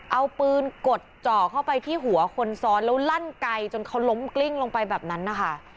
เอาปืนกดจ่อเข้าไปที่หัวคนซ้อนแล้วลั่นไกลจนเขาล้มกลิ้งลงไปแบบนั้นนะคะ